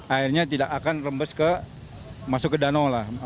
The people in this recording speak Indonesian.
airnya tidak akan rembes masuk ke danau lah